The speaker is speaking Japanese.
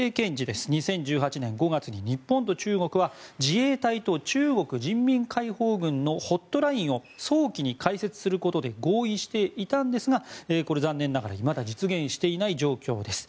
２０１８年５月の安倍政権時に自衛隊と中国人民解放軍のホットラインを早期に開設することで合意していたんですがこれ、残念ながらいまだ実現していない状況です。